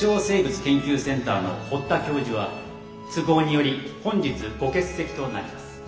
生物研究センターの堀田教授は都合により本日ご欠席となります。